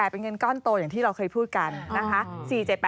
เป็นเงินก้อนโตอย่างที่เราเคยพูดกันนะคะ